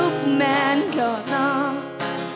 ที่พอจับกีต้าร์ปุ๊บ